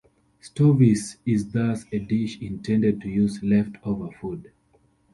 "Stovies" is thus a dish intended to use left-over food.